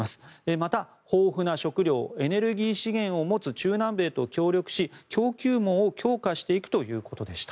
また、豊富な食料エネルギー資源を持つ中南米と協力し供給網を強化していくということでした。